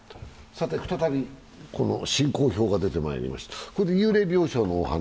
再び進行表が出てまいりました。